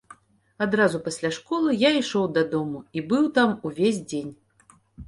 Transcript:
Адразу пасля школы я ішоў дадому і быў там увесь дзень.